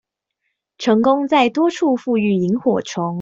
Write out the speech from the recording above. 成功在多處復育螢火蟲